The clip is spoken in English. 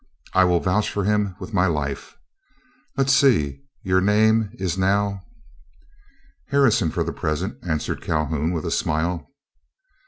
"I will vouch for him with my life. Let's see, your name is now—" "Harrison for the present," answered Calhoun, with a smile.